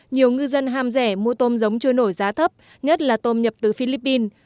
nhiều ngư dân ham rẻ mua tôm giống trôi nổi giá thấp nhất là tôm nhập từ philippines